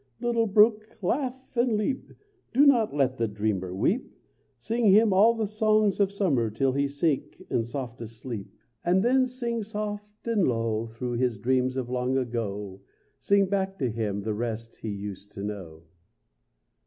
Little brook, laugh and leap! Do not let the dreamer weep; Sing him all the songs of summer till he sink in softest sleep; And then sing soft and low Through his dreams of long ago, Sing back to him the rest he used to know.